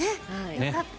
よかった。